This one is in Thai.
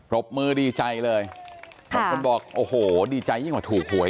รบมือดีใจเลยบางคนบอกโอ้โหดีใจยิ่งกว่าถูกหวย